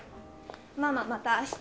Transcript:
ママまた明日。